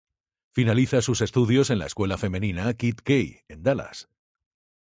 Finaliza sus estudios en la escuela femenina "Kidd-Key" en Dallas.